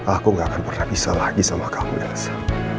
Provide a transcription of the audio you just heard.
aku gak akan pernah bisa lagi sama kamu rasa